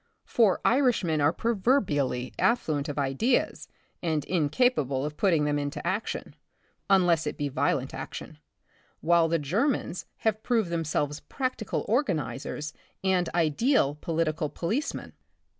For Irishmen are proverbially affluent of ideas and incapable of putting them into action, unless it be violent action, while the Germans have proved themselves practical organizers and ideal political policemen.